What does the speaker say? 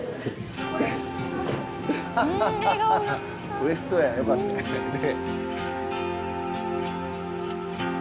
うれしそうやよかったね。